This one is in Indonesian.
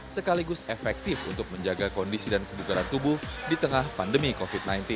sekaligus efektif untuk menjaga kondisi dan kebugaran tubuh di tengah pandemi covid sembilan belas